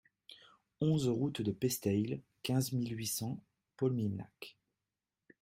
onze route de Pesteils, quinze mille huit cents Polminhac